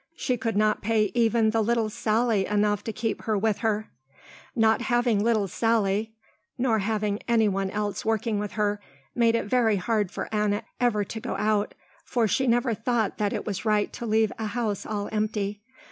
She could not pay even the little Sally enough to keep her with her. Not having little Sally nor having any one else working with her, made it very hard for Anna ever to go out, for she never thought that it was right to leave a house all empty.